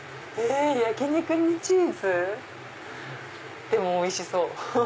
焼き肉にチーズ⁉でもおいしそう！